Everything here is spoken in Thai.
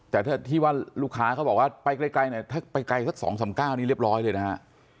แต่ถ้าที่ว่าลูกค้าเขาบอกว่าไปไกลเนี่ยถ้าไปไกลสัก๒๓๙นี้เรียบร้อยเลยนะฮะ